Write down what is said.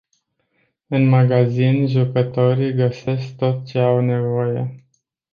În magazin jucătorii găsesc tot ce au nevoie.